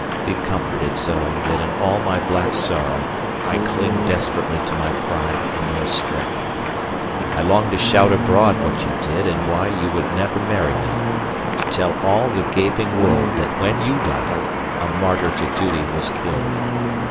Be comforted, Zoe, that in all my black sorrow I cling desperately to my pride in your strength. I long to shout abroad what you did and why you would never marry me, to tell all the gaping world that when you died a martyr to duty was killed.